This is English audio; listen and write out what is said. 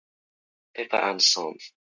Pepper and Sons.